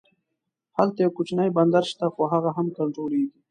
هلته یو کوچنی بندر شته خو هغه هم کنټرولېږي.